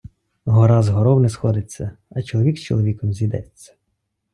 Гора з горов не сходиться, а чоловік з чоловіком зійдеться.